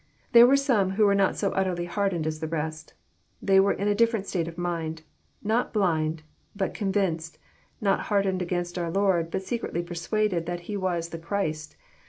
There were some who were not so utterly hardened as the rest. They were in a different state of mind : not blind, but convinced ; not hardened against our Lord, but secretly persuaded that He was the Christ.